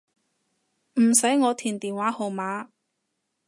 唔使我填電話號碼